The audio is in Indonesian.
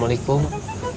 makasih pak ustadz ujangannya